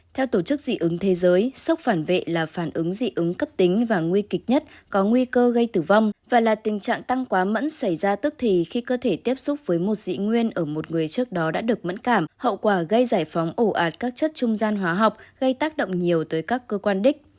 theo tổ chức dị ứng thế giới sốc phản vệ là phản ứng dị ứng cấp tính và nguy kịch nhất có nguy cơ gây tử vong và là tình trạng tăng quá mẫn xảy ra tức thì khi cơ thể tiếp xúc với một dị nguyên ở một người trước đó đã được mẫn cảm hậu quả gây giải phóng ổ ạt các chất trung gian hóa học gây tác động nhiều tới các cơ quan đích